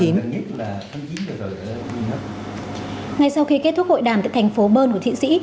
ngay sau khi kết thúc hội đàm tại thành phố bern của thụy sĩ